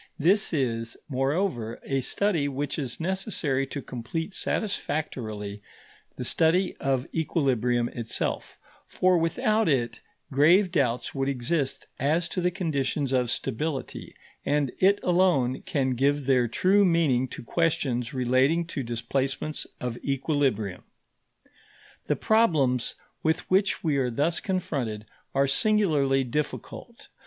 This is, moreover, a study which is necessary to complete satisfactorily the study of equilibrium itself; for without it grave doubts would exist as to the conditions of stability, and it alone can give their true meaning to questions relating to displacements of equilibrium. The problems with which we are thus confronted are singularly difficult.